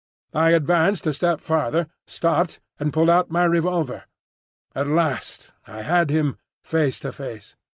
I advanced a step farther, stopped, and pulled out my revolver. At last I had him face to face.